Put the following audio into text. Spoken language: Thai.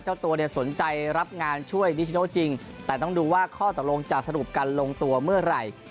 เจ้าตัวเนี่ยสนใจรับงานช่วยนิชโนจริงแต่ต้องดูว่าข้อตกลงจะสรุปกันลงตัวเมื่อไหร่